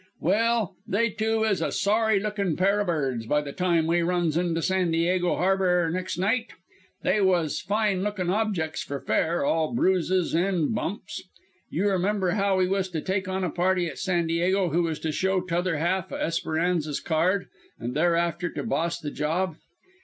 "Well, they two is a sorry lookin' pair o' birds by the time we runs into San Diego harbour next night. They was fine lookin' objects for fair, all bruises and bumps. You remember now we was to take on a party at San Diego who was to show t'other half o' Esperanza's card, an' thereafterward to boss the job.